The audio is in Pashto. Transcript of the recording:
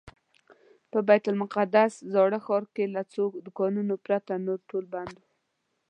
په بیت المقدس زاړه ښار کې له څو دوکانونو پرته نور ټول بند و.